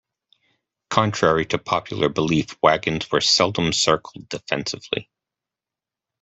Contrary to popular belief, wagons were seldom circled defensively.